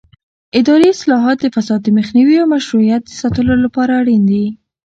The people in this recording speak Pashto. اداري اصلاحات د فساد د مخنیوي او مشروعیت د ساتلو لپاره اړین دي